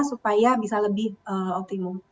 supaya bisa lebih optimum